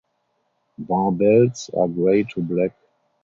Barbels are grey to black.